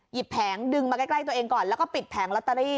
แผงดึงมาใกล้ตัวเองก่อนแล้วก็ปิดแผงลอตเตอรี่